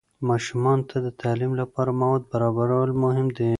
ماشومان ته د تعلیم لپاره مواد برابرول مهم دي.